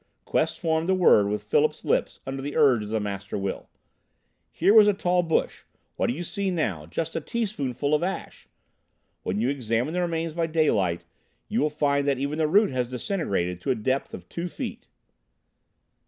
Quest formed the word with Philip's lips under the urge of the Master Will. "Here was a tall bush. What do you see now? Just a teaspoonful of ash. When you examine the remains by daylight, you will find that even the root has disintegrated to a depth of two feet."